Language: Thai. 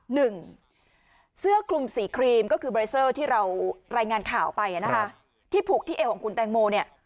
หนึ่งเสื้อคลุมสีครีมก็คือใบเซอร์ที่เรารายงานข่าวไปนะคะที่ผูกที่เอวของคุณแตงโมเนี่ย